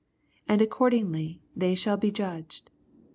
And accordingly they shall be judged.